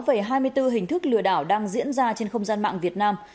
về hai mươi bốn hình thức lừa đảo đang diễn ra trên không gian mạng việt nam